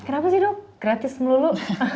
kenapa sih dok gratis melulu